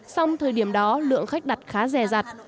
xong thời điểm đó lượng khách đặt khá rẻ rặt